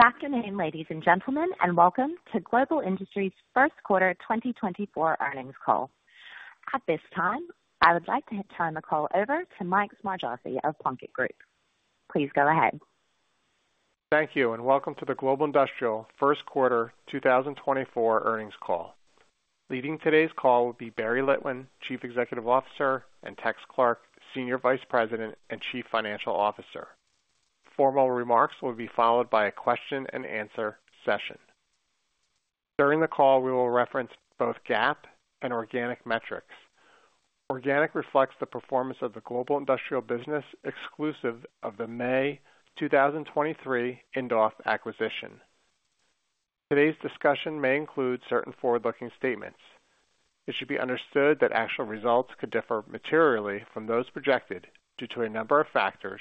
Good afternoon, ladies and gentlemen, and welcome to Global Industrial Company's first quarter 2024 earnings call. At this time, I would like to turn the call over to Mike Smargiassi of Plunkett Group. Please go ahead. Thank you, and welcome to the Global Industrial first quarter 2024 earnings call. Leading today's call will be Barry Litwin, Chief Executive Officer, and Tex Clark, Senior Vice President and Chief Financial Officer. Formal remarks will be followed by a question-and-answer session. During the call, we will reference both GAAP and organic metrics. Organic reflects the performance of the Global Industrial business exclusive of the May 2023 Indoff acquisition. Today's discussion may include certain forward-looking statements. It should be understood that actual results could differ materially from those projected due to a number of factors,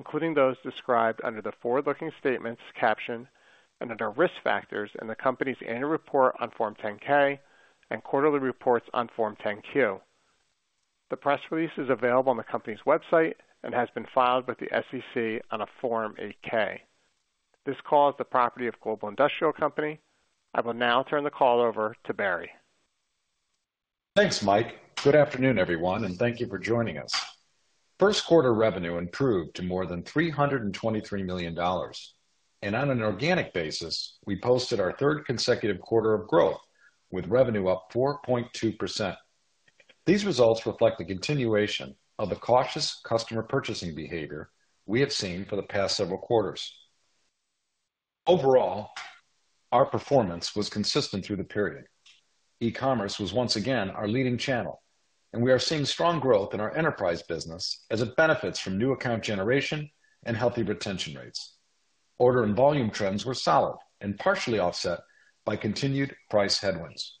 including those described under the forward-looking statements caption and under risk factors in the company's annual report on Form 10-K and quarterly reports on Form 10-Q. The press release is available on the company's website and has been filed with the SEC on a Form 8-K. This call is the property of Global Industrial Company. I will now turn the call over to Barry. Thanks, Mike. Good afternoon, everyone, and thank you for joining us. First quarter revenue improved to more than $323 million, and on an organic basis, we posted our third consecutive quarter of growth with revenue up 4.2%. These results reflect the continuation of the cautious customer purchasing behavior we have seen for the past several quarters. Overall, our performance was consistent through the period. E-commerce was once again our leading channel, and we are seeing strong growth in our enterprise business as it benefits from new account generation and healthy retention rates. Order and volume trends were solid and partially offset by continued price headwinds.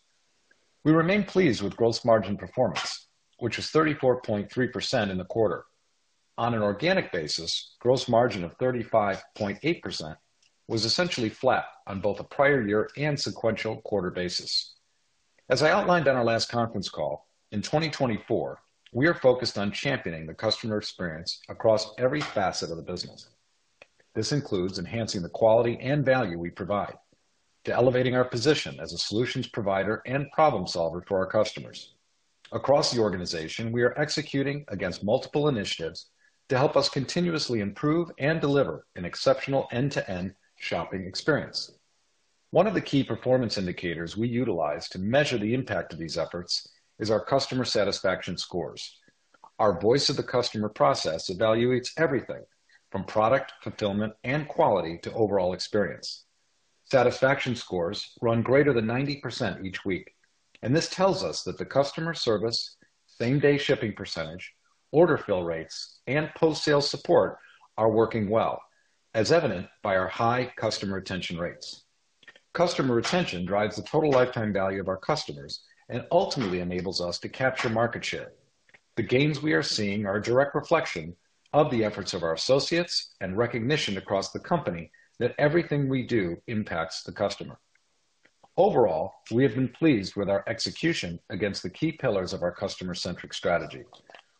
We remain pleased with gross margin performance, which was 34.3% in the quarter. On an organic basis, gross margin of 35.8% was essentially flat on both a prior year and sequential quarter basis. As I outlined on our last conference call, in 2024, we are focused on championing the customer experience across every facet of the business. This includes enhancing the quality and value we provide to elevating our position as a solutions provider and problem solver for our customers. Across the organization, we are executing against multiple initiatives to help us continuously improve and deliver an exceptional end-to-end shopping experience. One of the key performance indicators we utilize to measure the impact of these efforts is our customer satisfaction scores. Our voice of the customer process evaluates everything from product fulfillment and quality to overall experience. Satisfaction scores run greater than 90% each week, and this tells us that the customer service, same-day shipping percentage, order fill rates, and post-sales support are working well, as evident by our high customer retention rates. Customer retention drives the total lifetime value of our customers and ultimately enables us to capture market share. The gains we are seeing are a direct reflection of the efforts of our associates and recognition across the company that everything we do impacts the customer. Overall, we have been pleased with our execution against the key pillars of our customer-centric strategy.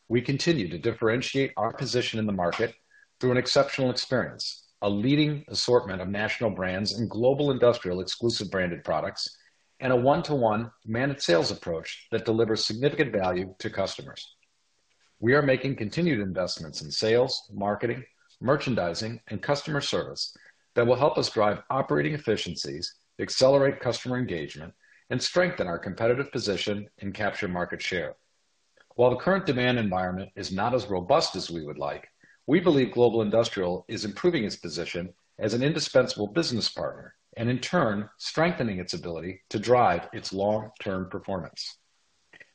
We continue to differentiate our position in the market through an exceptional experience, a leading assortment of national brands and Global Industrial exclusive branded products, and a one-to-one managed sales approach that delivers significant value to customers. We are making continued investments in sales, marketing, merchandising, and customer service that will help us drive operating efficiencies, accelerate customer engagement, and strengthen our competitive position and capture market share. While the current demand environment is not as robust as we would like, we believe Global Industrial is improving its position as an indispensable business partner and, in turn, strengthening its ability to drive its long-term performance.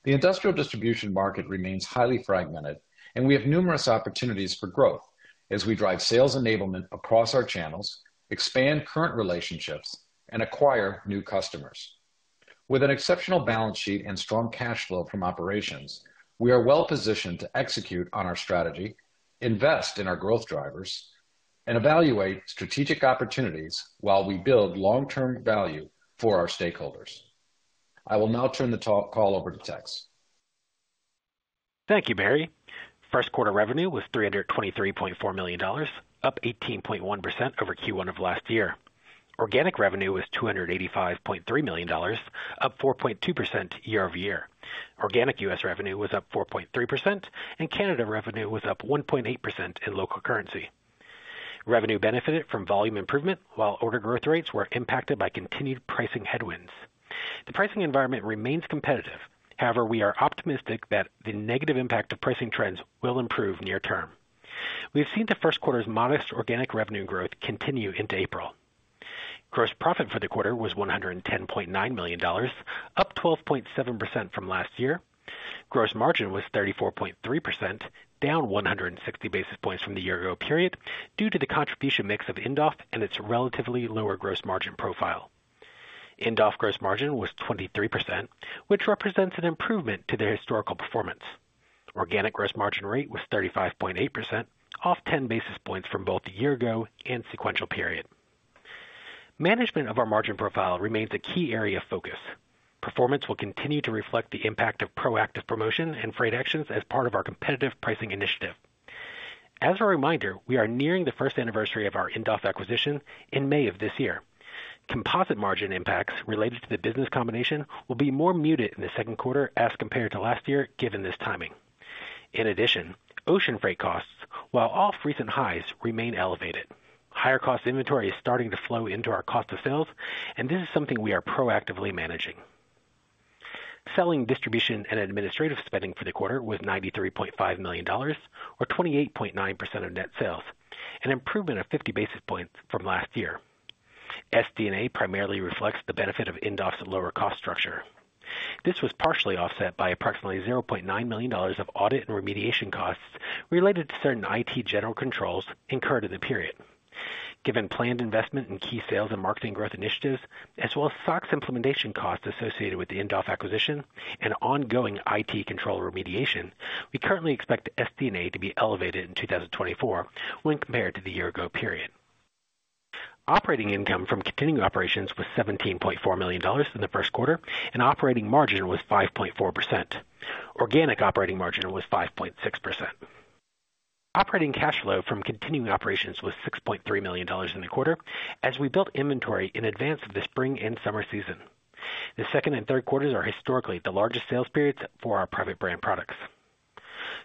The industrial distribution market remains highly fragmented, and we have numerous opportunities for growth as we drive sales enablement across our channels, expand current relationships, and acquire new customers. With an exceptional balance sheet and strong cash flow from operations, we are well positioned to execute on our strategy, invest in our growth drivers, and evaluate strategic opportunities while we build long-term value for our stakeholders. I will now turn the call over to Tex. Thank you, Barry. First quarter revenue was $323.4 million, up 18.1% over Q1 of last year. Organic revenue was $285.3 million, up 4.2% year over year. Organic US revenue was up 4.3%, and Canada revenue was up 1.8% in local currency. Revenue benefited from volume improvement while order growth rates were impacted by continued pricing headwinds. The pricing environment remains competitive. However, we are optimistic that the negative impact of pricing trends will improve near term. We've seen the first quarter's modest organic revenue growth continue into April. Gross profit for the quarter was $110.9 million, up 12.7% from last year. Gross margin was 34.3%, down 160 basis points from the year-ago period due to the contribution mix of Indoff and its relatively lower gross margin profile. Indoff gross margin was 23%, which represents an improvement to their historical performance. Organic gross margin rate was 35.8%, off 10 basis points from both the year-ago and sequential period. Management of our margin profile remains a key area of focus. Performance will continue to reflect the impact of proactive promotion and freight actions as part of our competitive pricing initiative. As a reminder, we are nearing the first anniversary of our Indoff acquisition in May of this year. Composite margin impacts related to the business combination will be more muted in the second quarter as compared to last year given this timing. In addition, ocean freight costs, while off recent highs, remain elevated. Higher-cost inventory is starting to flow into our cost of sales, and this is something we are proactively managing. Selling, distribution, and administrative spending for the quarter was $93.5 million, or 28.9% of net sales, an improvement of 50 basis points from last year. SD&A primarily reflects the benefit of Indoff's lower cost structure. This was partially offset by approximately $0.9 million of audit and remediation costs related to certain IT general controls incurred in the period. Given planned investment in key sales and marketing growth initiatives, as well as SOX implementation costs associated with the Indoff acquisition and ongoing IT control remediation, we currently expect SD&A to be elevated in 2024 when compared to the year-ago period. Operating income from continuing operations was $17.4 million in the first quarter, and operating margin was 5.4%. Organic operating margin was 5.6%. Operating cash flow from continuing operations was $6.3 million in the quarter as we built inventory in advance of the spring and summer season. The second and third quarters are historically the largest sales periods for our private brand products.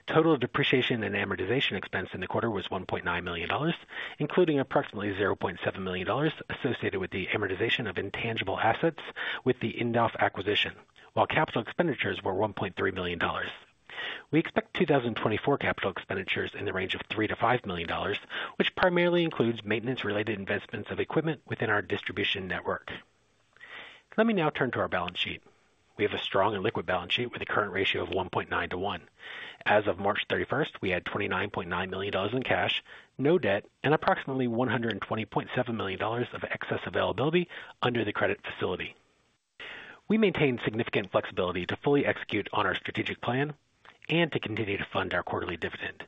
Total depreciation and amortization expense in the quarter was $1.9 million, including approximately $0.7 million associated with the amortization of intangible assets with the Indoff acquisition, while capital expenditures were $1.3 million. We expect 2024 capital expenditures in the range of $3 million-$5 million, which primarily includes maintenance-related investments of equipment within our distribution network. Let me now turn to our balance sheet. We have a strong and liquid balance sheet with a current ratio of 1.9 to 1. As of March 31st, we had $29.9 million in cash, no debt, and approximately $120.7 million of excess availability under the credit facility. We maintained significant flexibility to fully execute on our strategic plan and to continue to fund our quarterly dividend.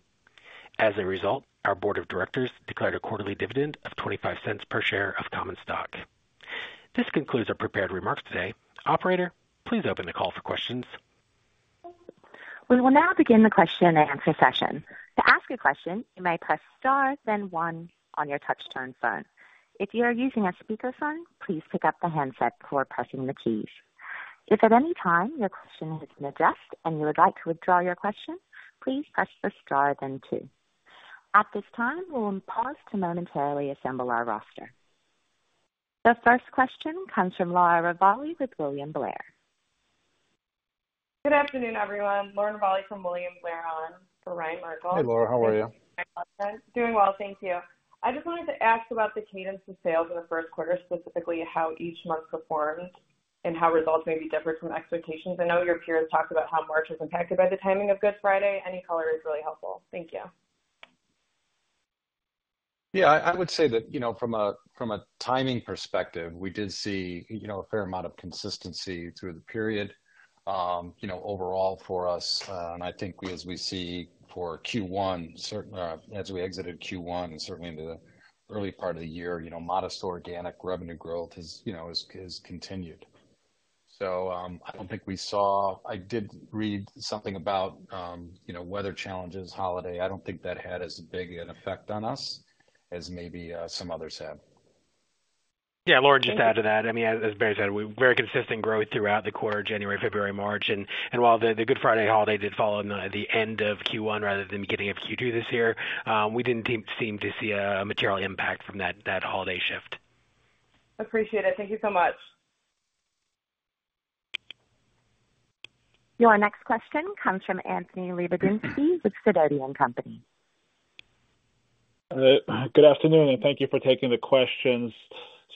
As a result, our board of directors declared a quarterly dividend of $0.25 per share of common stock. This concludes our prepared remarks today. Operator, please open the call for questions. We will now begin the question-and-answer session. To ask a question, you may press * then 1 on your touch-tone phone. If you are using a speakerphone, please pick up the handset before pressing the keys. If at any time your question has been addressed and you would like to withdraw your question, please press the * then 2. At this time, we'll pause to momentarily assemble our roster. The first question comes from Laura Ravalli with William Blair. Good afternoon, everyone. Laura Ravalli from William Blair on for Ryan Merkel. Hey, Laura. How are you? Doing well, thank you. I just wanted to ask about the cadence of sales in the first quarter, specifically how each month performed and how results maybe differed from expectations. I know your peers talked about how March was impacted by the timing of Good Friday. Any color is really helpful. Thank you. Yeah, I would say that from a timing perspective, we did see a fair amount of consistency through the period overall for us. And I think as we see for Q1, as we exited Q1 and certainly into the early part of the year, modest organic revenue growth has continued. So I don't think we saw. I did read something about weather challenges, holiday. I don't think that had as big an effect on us as maybe some others had. Yeah, Laura just added to that. I mean, as Barry said, very consistent growth throughout the quarter: January, February, March. And while the Good Friday holiday did follow at the end of Q1 rather than the beginning of Q2 this year, we didn't seem to see a material impact from that holiday shift. Appreciate it. Thank you so much. Your next question comes from Anthony Lebiedzinski with Sidoti Company. Good afternoon, and thank you for taking the questions.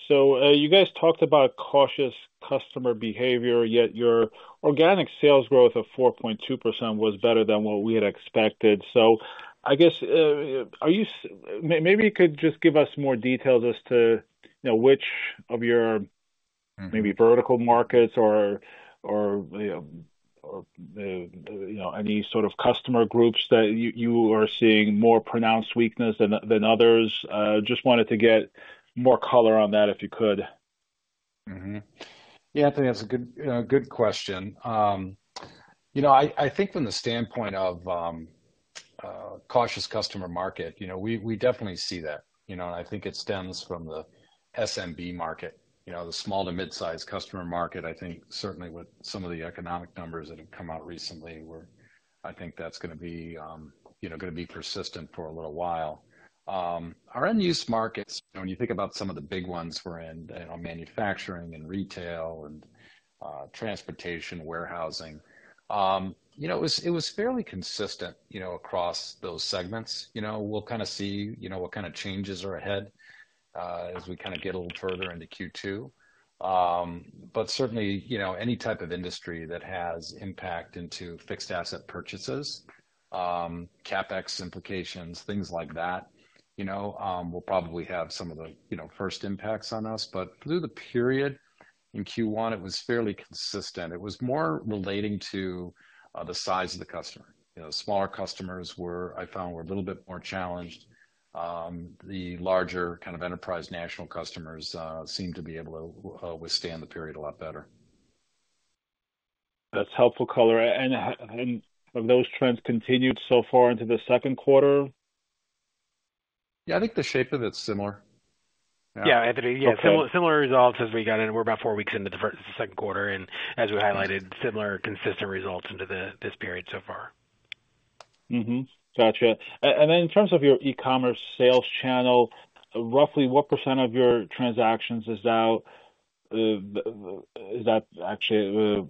So you guys talked about cautious customer behavior, yet your organic sales growth of 4.2% was better than what we had expected. So I guess, maybe you could just give us more details as to which of your maybe vertical markets or any sort of customer groups that you are seeing more pronounced weakness than others. Just wanted to get more color on that if you could. Yeah, Anthony, that's a good question. I think from the standpoint of cautious customer market, we definitely see that. And I think it stems from the SMB market, the small to midsize customer market. I think certainly with some of the economic numbers that have come out recently, I think that's going to be persistent for a little while. Our end-use markets, when you think about some of the big ones we're in, manufacturing and retail and transportation, warehousing, it was fairly consistent across those segments. We'll kind of see what kind of changes are ahead as we kind of get a little further into Q2. But certainly, any type of industry that has impact into fixed asset purchases, CapEx implications, things like that will probably have some of the first impacts on us. But through the period in Q1, it was fairly consistent. It was more relating to the size of the customer. The smaller customers, I found, were a little bit more challenged. The larger kind of enterprise national customers seemed to be able to withstand the period a lot better. That's helpful color. Have those trends continued so far into the second quarter? Yeah, I think the shape of it's similar. Yeah, Anthony. Yeah, similar results as we got in. We're about four weeks into the second quarter. As we highlighted, similar, consistent results into this period so far. Gotcha. In terms of your e-commerce sales channel, roughly what % of your transactions is that actually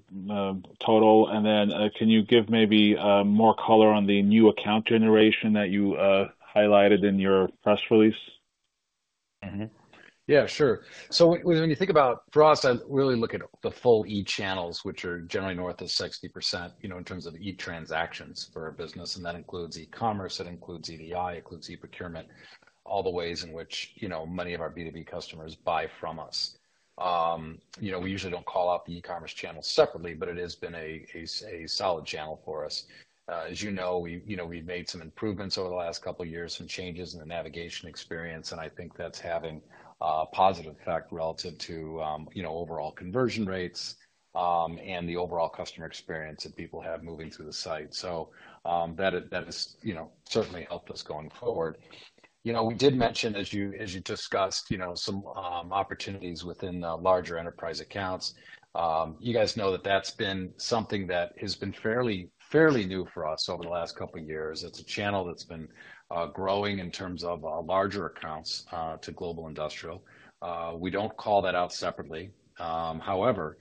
total? Can you give maybe more color on the new account generation that you highlighted in your press release? Yeah, sure. So when you think about for us, I really look at the full e-channels, which are generally north of 60% in terms of e-transactions for our business. And that includes e-commerce. That includes EDI. It includes e-procurement, all the ways in which many of our B2B customers buy from us. We usually don't call out the e-commerce channel separately, but it has been a solid channel for us. As you know, we've made some improvements over the last couple of years, some changes in the navigation experience. And I think that's having a positive effect relative to overall conversion rates and the overall customer experience that people have moving through the site. So that has certainly helped us going forward. We did mention, as you discussed, some opportunities within larger enterprise accounts. You guys know that that's been something that has been fairly new for us over the last couple of years. It's a channel that's been growing in terms of larger accounts to Global Industrial. We don't call that out separately. However,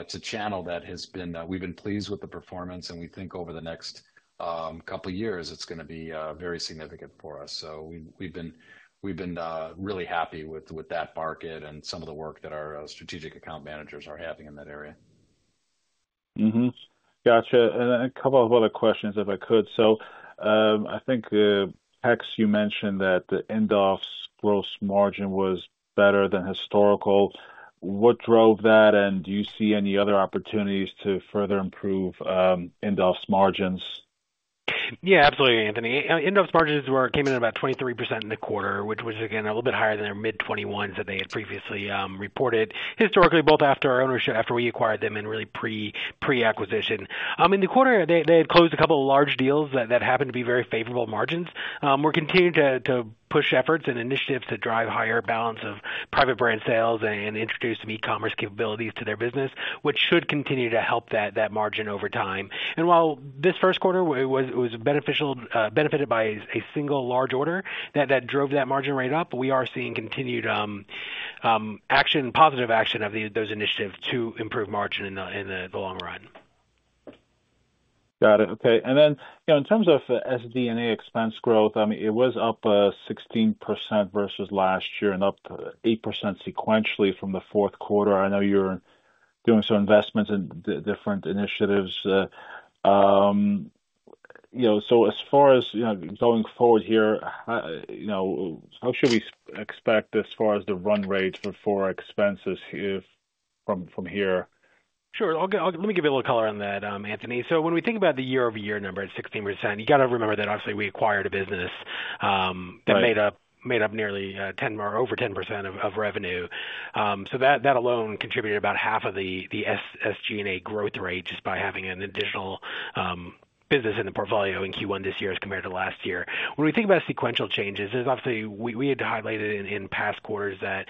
it's a channel that we've been pleased with the performance. And we think over the next couple of years, it's going to be very significant for us. So we've been really happy with that market and some of the work that our strategic account managers are having in that area. Gotcha. And then a couple of other questions, if I could. So I think, Tex, you mentioned that the Indoff's gross margin was better than historical. What drove that? And do you see any other opportunities to further improve Indoff's margins? Yeah, absolutely, Anthony. Indoff's margins came in at about 23% in the quarter, which was, again, a little bit higher than their mid-21% that they had previously reported, historically, both after our ownership, after we acquired them, and really pre-acquisition. In the quarter, they had closed a couple of large deals that happened to be very favorable margins. We're continuing to push efforts and initiatives to drive higher balance of private brand sales and introduce some e-commerce capabilities to their business, which should continue to help that margin over time. And while this first quarter, it was benefited by a single large order that drove that margin right up, we are seeing continued action, positive action of those initiatives to improve margin in the long run. Got it. Okay. And then in terms of SD&A expense growth, I mean, it was up 16% versus last year and up 8% sequentially from the fourth quarter. I know you're doing some investments in different initiatives. So as far as going forward here, how should we expect as far as the run rate for expenses from here? Sure. Let me give you a little color on that, Anthony. So when we think about the year-over-year number at 16%, you got to remember that, obviously, we acquired a business that made up nearly over 10% of revenue. So that alone contributed about half of the SD&A growth rate just by having an additional business in the portfolio in Q1 this year as compared to last year. When we think about sequential changes, obviously, we had highlighted in past quarters that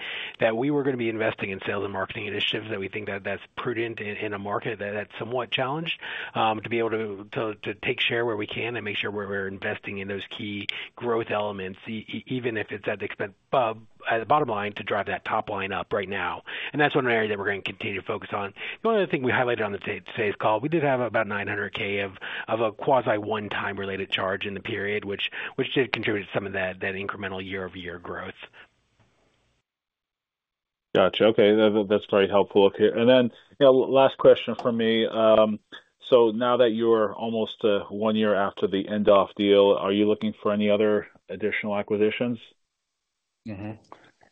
we were going to be investing in sales and marketing initiatives. That we think that that's prudent in a market that's somewhat challenged to be able to take share where we can and make sure we're investing in those key growth elements, even if it's at the bottom line, to drive that top line up right now. That's one area that we're going to continue to focus on. The only other thing we highlighted on today's call, we did have about $900,000 of a quasi-one-time-related charge in the period, which did contribute to some of that incremental year-over-year growth. Gotcha. Okay. That's very helpful. And then last question from me. So now that you're almost one year after the Indoff deal, are you looking for any other additional acquisitions?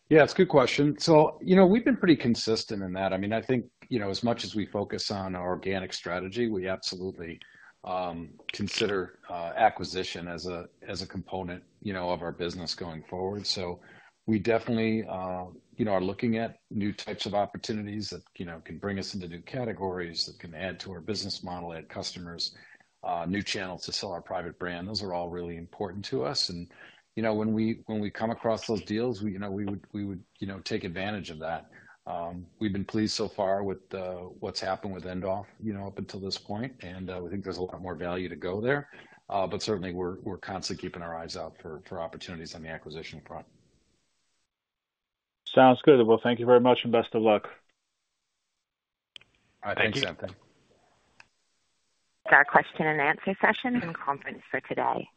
Yeah, it's a good question. So we've been pretty consistent in that. I mean, I think as much as we focus on our organic strategy, we absolutely consider acquisition as a component of our business going forward. So we definitely are looking at new types of opportunities that can bring us into new categories, that can add to our business model, add customers, new channels to sell our private brand. Those are all really important to us. And when we come across those deals, we would take advantage of that. We've been pleased so far with what's happened with Indoff up until this point. And we think there's a lot more value to go there. But certainly, we're constantly keeping our eyes out for opportunities on the acquisition front. Sounds good. Well, thank you very much and best of luck. All right. Thanks, Anthony. Got a question-and-answer session and conference for today.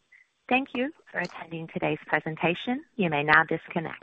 Thank you for attending today's presentation. You may now disconnect.